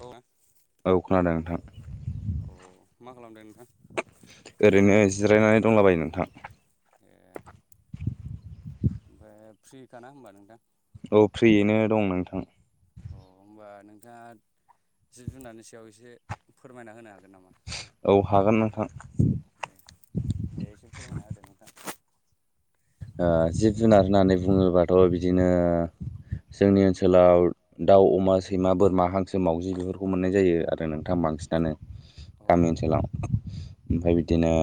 औ औ खोनादों नोंथांऋदंषंषं।। अ मा खालामदों नोंथां? ओरैनो जिरायनानै दंलाबायो नोंथां। ए ओमफ्राय फ्रिखााना होनोमबा नोंथां? औ फ्रियैनो दं नोंथां। अ होमबा नोंथाङा जिब जुनारनि सायाव एसे फोरमायना होनो हागोन नामा? औ हागोन नोंथां। ए दे एसे फोरमायना होदो नोंथां। जिब जुनार होननानै बुङोबाथ' बिदिनो जोंनि ओनसोलाव दाउ अमा सैमा बोरमा हांसो मावजि बेफोरखौ मोननाय जायो आरो नोंथां बांसिनानो। औ औ गामि ओनसोलाव ओमफ्राय बिदिनो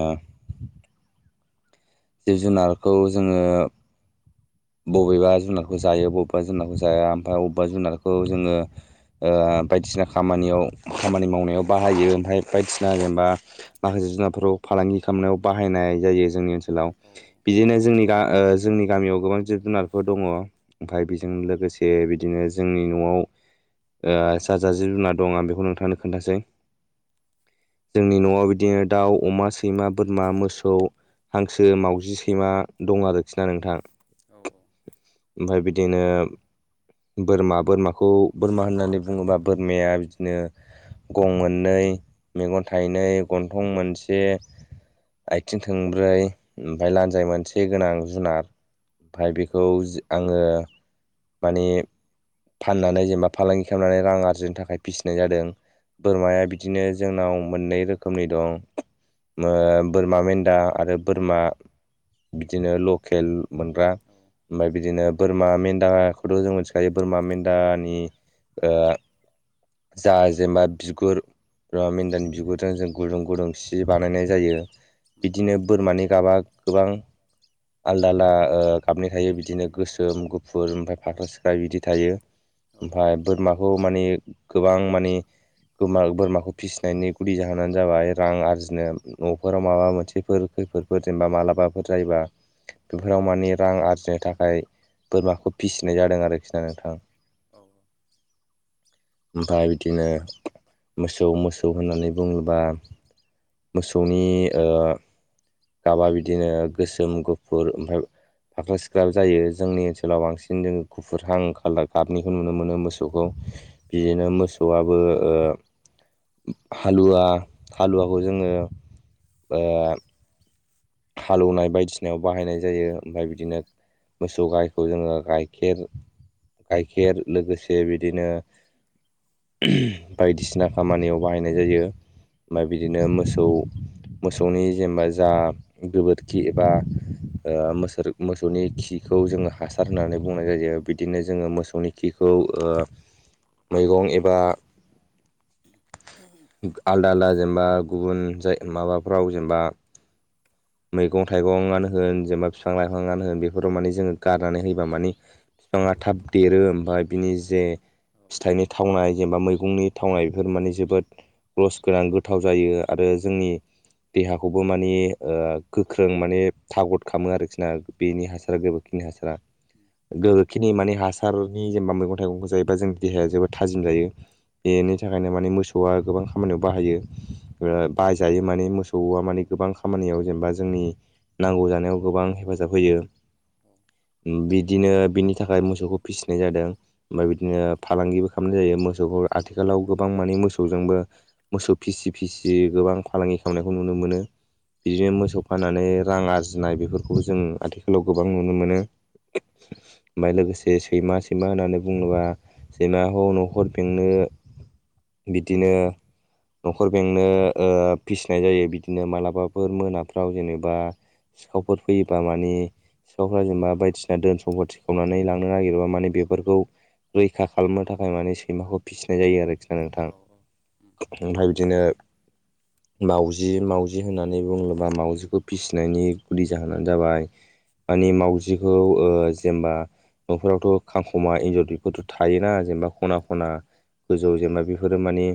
जिब जुनारखौ जोङो बबेबा जुनारखौ जायो बबेबा जुनारखौ जाया ओमफ्राय बबेबा जुनारखौ जोङो ओ बायदिसिना खामानियाव खामानि मावनायाव बाहायो ओमफफ्राय बायदिसिना जेनेबा माखासे जुनारफोराव फालांगि खालामनायाव बाहायनाय जायो जोंनि ओनसोलाव। औ बिदिनो जोंनि गा ओ जोंनि गामियाव गोबां जिब जुनारफोर दङ। ओमफफ्राय बेजों औ लोगोसे बिदिनो जोंनि न'आव जा जा जिब जुनार दं आं बेखौ नोंथांनो खोन्थासै। जोंनि औ न'आव बिदिनो दाउ अमा सैमा बोरमा मोसौ ओ मावजि सैमा दं आरोखि ना नोंथां। औ ओमफाय बिदिनो बोरमा बोरमाखौ बोरमा होननानै बुङोबा बोरमाया बिदिनो गं मोननै मेगन थाइनै गन्थं मोनसे आइथिं थोंब्रै ओमफाय लान्जाय मोनसे गोनां जुनार फाय बिखौ आङो माने फाननानै जेनेबा फालांगि खामनानै रां आरजिनो थाखाय पिसिनाय जादों। औ बोरमाया बिदि दिनो जोंनाव मोननै रोखोमनि दं ओ बोरमा मेन्दा आरो बोरमा बिदिनो लकेल मोनग्रा ओमफाय बिदिनो बोरमा मेन्दाखौथ' जों मिथिखायो बोरमा मेन्दानि ओ जा जेनबा बिगुर बोरमा औ मेन्दानि बिगुरजों जों गुदुं गुदुं सि बानायनाय जायो बिदिनो बोरमानि गाबा गोबां आलदा आलदा ओ गाबनि थायो बिदिनो गोसोम गुफुर ओमफाय फाख्रा सिख्रा बिदि थायो। ओमफाय बोरमाखौ माने गोबां माने बोमा बोरमाखौ फिसिनायनि गुदि जाहोनानो जाबाय रां आरजिनो न'फोराव माबा मोनसे फोर खैफोदफोर जेनबा मालाबाफोर जायोबा बेफोराव माने रां आरजिनो थाखाय बोरमाखो पिसिनाय जादों आरोखि ना नोंथां। औ औ। ओमफाय बिदिनो मोसौ मोसौ होननानै बुङोबा मोसौनि ओ गाबा बिदिनो गोसोम गुफुर ओमफाय फाख्रा सिख्राबो जायो जोंनि ओनसोलाव बांसिन जोङो गुफुरहां खालार गाबनिखौ नुनो मोनो मोसौ सौखौ औ बिदिनो मोसौआबो ओ हालुवा हालुवाखौ जोङो ओ हालौवनाय बायदिसिनायाव बाहायनाय जायो ओमफाय बिदिनो मोसौ गाइखौ जोङो गाइखेर गाइखेर लोगोसे बिदिनो बायदिसिना खामानियाव बाहायनाय जायो। औ ओमफाय बिदिनो मोसौ मोसौनि जेनेबा जा गोबोरखि एबा ओ मोसोर मोसौनि खिखौ जोङो हासार होननानै बुंनाय जायो बिदिनो जोङो मोसौनि खिखौ ओ मैगं एबा आलदा आलदा जेनेबा गुबुन जाय माबाफ्राव जेनबा मैगं थाइगंआनो होन जेनेबा फिफां लाइफाङानो होन बेफोराव माने जोङो गारनानै होयोबा माने फाङा थाब देरो ओमफाय बिनि जे औ फिथाइनि थावनाय जेनेबा मैगंनि थावनाय एफोर माने उम जोबोद रस गोनां गोथाव जायो आरो जोंनि देहाखौबो माने ओ गोख्रों माने थाग'द खालामो आरोखिना औ बेनि औ हासारा गोबोरखिनि हासारा। उम गोबोरखिनि माने हासारनि जेनेबा मैगं थाइगंखौ जायोबा जोंनि देहाया जोबोद थाजिम जायो। औ बेनि थाखायनो माने मोसौआ गोबां खामानियाव बाहायो। ओ बाहायजायो माने मोसौआ माने गोबां खामानियाव जेनेबा जोंनि नांगौ जानायाव गोबां हेफाजाब होयो। औ उम बिदिनो बिनि थाखाय मोसौखौ पिसिनाय जादों। ओमफाय उम बिदिनो फालांगिबो खामनाय जायो मोसौखौ आथिखालाव गोबां माने मोसौजोंबो मोसौ फिसि फिसि गोबां फालांगि खालामनायखौ नुनो मोनो। उम बिदिनो मोसौ फाननानै रां आरजिनाय बेफोरखौबो जों आथिखालाव गोबां नुनो मोनो। ओमफाय लोगोसे सैमा सैमा होननानै बुङोबा सैमा ख न'खर बेंनो बिदिनो न'खर उम बेंनो ओ फिसिनाय जायो बिदिनो मालाबा फोर मोनाफ्राव जेनेबा सिखावफोर फैयोबा माने सिखावफोर औ जेनेबा बायदिसिना धोन सम्पि खावनानै लांनो नागिरबा माने बेफोरखौ रैखा खालामनो थाखाय माने सैमाखौ फिसिनाय जायो आरोखि। नोंथां औ उम औ औ उम ओमफ्राय बिदिनो मावजि मावजि होननानै होननानै बुङोबा मावाजिखौ फिसिनायनि गुदि जाहोनानो जाबाय मानि मावजिखौ ओ जेनेबा न'फोरावथ' खांख'मा एन्जर बेफोरथ' थायोना जेनेबा खना खना गोजौ जेनेबा बेफोरो माने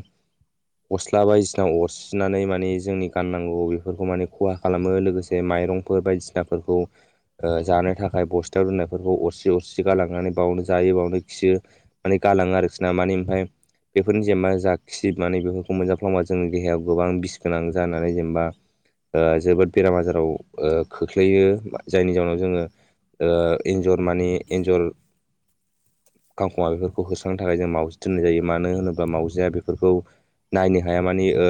अस्ला बायदिसिना अरसिनानै माने जोंनि गाननांगौ बेफो फोरखौ माने खहा खालामो लोगोसे माइरंफोर बायदिसिनाफोरखौ जानो थाखाय बस्थायाव दोननायफोरखौ अरसि अरसि गालांनानै बावनो जायो बावनो खियो। माने गालाङो आरोखि ना माने ओमफाय बेफोरनि जेनेबा जा खि माने बेफोरखौ मोनजाफ्लांबा जोंनि देहायाव गोबां बिस गोनां जानानै जेनेबा ओ जोबोद बेराम आजाराव खोख्लैयो जायनि जााहनाव जोङो ओ एन्जर माने एन्जर खांखमा बेफोरखौ होस्रां थाखाय जों मावजि दोननाय जायो मानो होनोब्ला मावजिया बेफोरखौ नायनो हाया माने ओ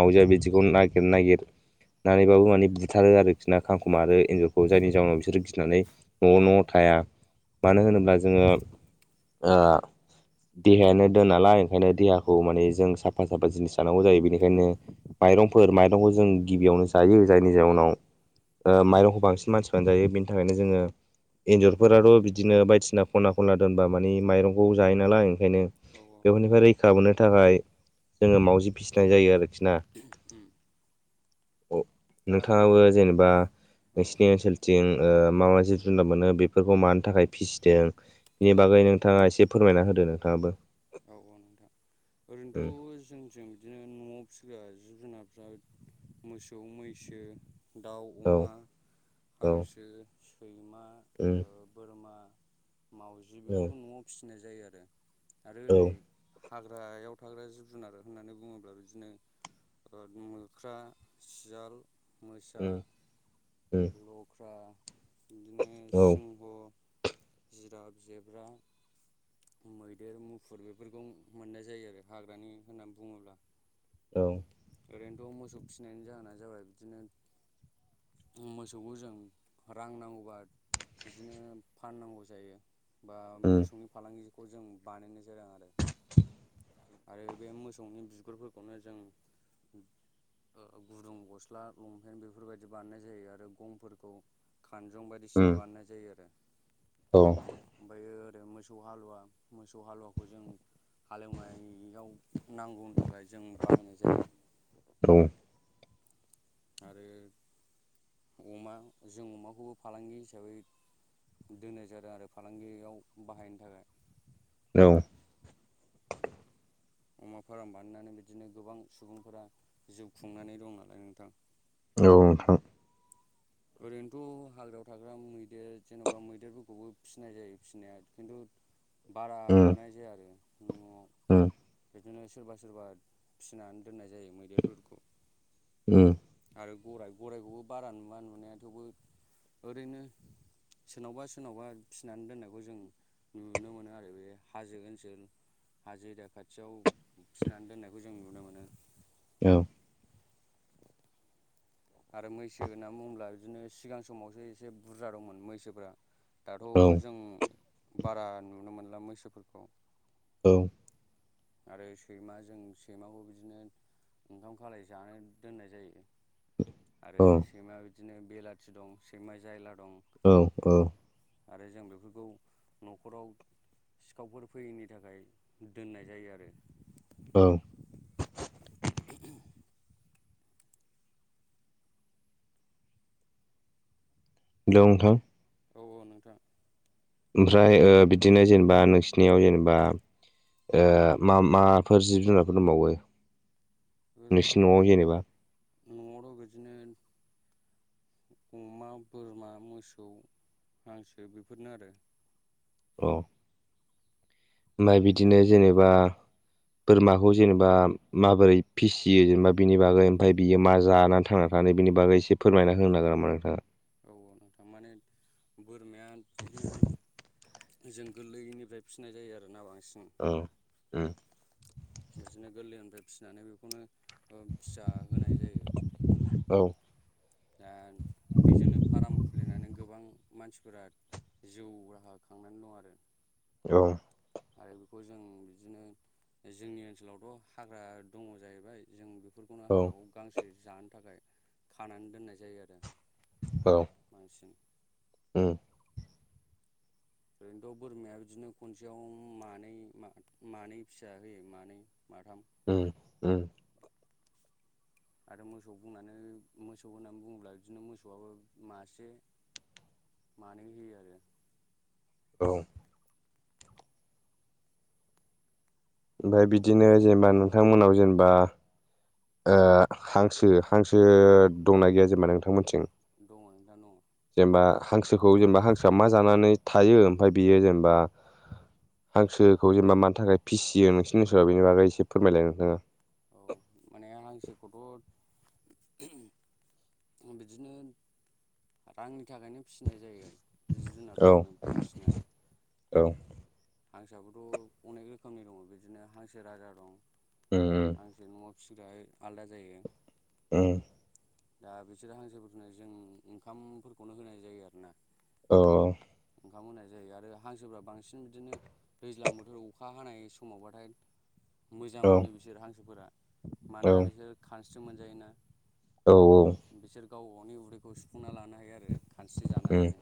मावजाया बिदिखौ नागिर नागिर नानैबाबो माने बुथारो आरोखि ना खांखुमारो एन्जरखौ जायनि जाउनाव बिसोर गिनानै न'आव न'आव थाया मानो होनोब्ला जोङो ओ देहायानो दोन नालाय ओंखायनो देहाखौ माने जों साफा साफा जिनिस जानांगौ जायो बेनिखायनो माइरंफोर माइरंखौ जों गिबियावनो जायो जायनि जाउनाव ओ माइरंखौ बांसिन मानसिफ्रानो जायो बिनि थाखायनो जोङो एन्जरफोराथ' बिदिनो बायदिसिना खना खनला दोनबा माने माइरंखौ जायो नालाय ओंखायनो औ औ बेफोरनिफ्राय रैखा मोनो थाखाय जोङो मावजि फिसिनाय जायो आरोखि ना। ओम नोंथाङाबो जेनेबा औ नोंसिनि ओनसोलथिं ओ मा मा जि जुनार मोनो बेफोरखौ मानो थाखाय फिसिदों बेनि बागै नोंथाङा एसे फोरमायना होदो नोंथाङाबो औ औ नोंथां उम ओरैनोथ' जोंजों बिदिनो न'आव फिसिग्रा जिब जुनारफ्रा मोसौ मैसो दाउ औ अमा औ हांसो सैमा उम बोरमा मावजि औ बेफोरखौ न'आव फिसिनाय जायो आरो आरो औ ओरै हाग्रायाव थाग्रा जिब जुनार होननानै बुङोब्ला बिदिनो मोख्रा सियाल मोसा उम उम लख्रा इदिनो औ सिंह जिराब जेब्रा मैदेर मुफुर बेफोरखौ मोननाय जायो आरो हाग्रानि होननानै बुङोब्ला औ ओरैनोथ' मोसौ फिसिनायनि जाहोना जाबाय बिदिनो मोसौखौ जों रां नांगौबा बिदिनो फाननांगौ जायो। बा उम मोसौनि फालांगिखौ जों बानायनाय जादों आरो। आरो बे मोसौनि बिगुरफोरखौनो जों ओ गुदुं गस्ला लंपेन्ट बेफोरबायदि बानायनाय जायो आरो गंफोरखौ खानजं उम बायदिसिना बानायनाय जायो आरो। ओमफायो ओरै मोसौ हालुवा मोसौ हालुवाखौ जों हालेवनायाव नांगौनि थाखाय जों बाहायनाय जायो। आरो अमा जों अमाखौबो फालांगि हिसाबै दोननाय जादों आरो फालांगियाव बाहायनो थाखाय औ अमा फार्म बानायनानै बिदिनो गोबां सुबुंफोरा जिउ खुंनानै दं नालाय नोंथां। औ नोंथां। ओरैनोथ' हाग्रायाव थाग्रा मैदेर जेन'बा मैदेरफोरखौबो फिनाय जायो फिनाया खिन्थु बारा उम नुनाय जाया आरो न'आव। उम। बिदिनो सोरबा सोरबा फिनानै दोननाय जायो मैदेरफोरखौ। उम आरो गराय, गरायखौबो बारा नुवा नुनाया थेवबो ओरैनो सोरनावबा सोरनावबा फिनानै दोननायखौ जों नुनो मोनो आरो बे हाजो ओनसोल हाजो एरिया खा थियाव फिनानै दोननायखौ जों नुनो मोनो। औ। आरो मैसो होनना बुङोब्ला बिदिनो सिगां समावसो एसे बुरजा दंमोन मैसोफोरा। दाथ' औ जों बारा नुनो मोनला मैसोफोरखौ। औ। आरो सैमाजों सैमाखौ बिदिनो ओंखाम खालाय जानो दोननाय जायो। आरो औ सैमा बिदिनो बेलाथि दं सैमा जायला दं। औ औ। आरो जों बेफोरखौ न'खराव सिखावफोर फैयैनि थाखाय दोननाय जायो आरो। ओं। [inaudible] हेलौ नोंथां औ औ नोंथां ओमफ्राय ओ बिदिनो जेनेबा नोंसिनियाव जेनेबा ओ मा माफोर जिब जुनारफोर दंबावो? नोंसिनि न'आव ओरैन्थ' जेनेबा न'आवथ' बिदिनो अमा, बोरमा, मोसौ, हांसो बेफोरनो आरो। औ। ओमफाय माने बिदिनो जेनेबा बोरमाखौ जेनेबा माबोरै फिसियो जेनेबा बिनि बागै ओमफाय बियो मा जानानै थांना नै बिनि बागै एसे फोरमायना होनो हागोन नामा नोंथाङा? औ नोंथां माने बोरमाया बिदिनो जों गोरलैनिफ्राय फिनाय जायो आरोना बांसिन। औ उम। बिदिनो गोरलैनिफ्राय फिनानै बेखौनो ओ फिसा होनाय जायो। औ दा बेजोंनो फाराम खुलिनानै गोबां मानसिफोरा जिउ राहा खांनानै दं आरो। औ। आरो बेखौ जों बिदिनो जोंनि ओनसोलावथ' हाग्रा दङ जाहैबाय जों बेफोरखौनो औ हाग्रायाव गांसो जानो थाखाय खानानै दोननाय जायो आरो। औ। मानसिजों उम। ओरैनोथ' बोरमाया बिदिनो खनसेयाव मानै मानै फिसा होयो मानै माथाम उम उम। आरो मोसौ बुंनानै मोसौ होननानै बुङोब्ला बिदिनो मोसौआबो मासे मानै होयो आरो औ ओमफ्राय बिदिनो जेनेबा नोंथांमोनाव जेनेबा हांसो हांसो दंना गैया जेनेबा नोंथांमोनथिं दङ आं द न' जेनेबा हांसोखौ जेनेबा हांसोआ मा जानानै थायो ओमफफ्राय बियो जेनेबा हांसोखौ जेनेबा मानि थाखाय फिसियो नोंसिनिओसोराव बेनि बागै एसे फोरमायलाय नोंथाङा औ माने आं हांसोरखौथ' बिदिनो रांनि थाखायनो फिनाय जायो बे जिब औ जुनारफोरखौनो बांसिनानो औ हांसोआाबोथ' अनेक रोखोमनि दङ बिदिनो हांसो राजा दं ओ हांसो न'आव फिसिग्रााय आलादा जायो उम दा बिसोरो हांसोफोरफोरखौनो जों ओंखामफोरखौनो होनाय जायो आरोना औ ओंखाम होनाय जायो आरो हांसोफ्रा बांसिन बिदिनो दैज्लां बोथोराव अखा हानाय समावबाथाय मोजां औ मोनो बिसोर हांसोफोरा औ मानोना बिसोरो खानस्रि मोनजायोना औ औ बिसोर गाव गावनि उदैखौ सुफुंना लानो हायो आरो खानस्रि उम जानानैनो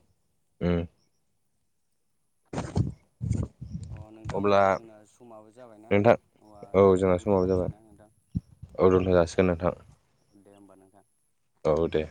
उम [inaudible] अ नोंथां अब्ला होमबा जोंना समाबो जाबायनाबा नोंथां रायज्लायनायखौ दोनथ'सै ना नोंथां अदुनथ जासिगोन नोंथां दे होमबा नोंथां औ दे